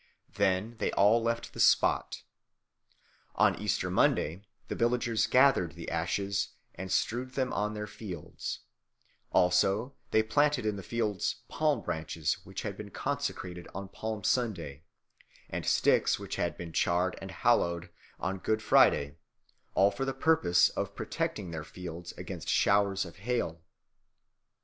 Then they all left the spot. On Easter Monday the villagers gathered the ashes and strewed them on their fields; also they planted in the fields palmbranches which had been consecrated on Palm Sunday, and sticks which had been charred and hallowed on Good Friday, all for the purpose of protecting their fields against showers of hail.